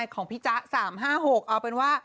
ของพี่จ๊ะ๓๕๖เอาเป็นว่า